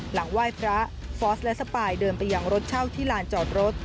หลังไหว้พระฟอสและสปายเดินไปยังรถเช่าที่ลานจอดรถ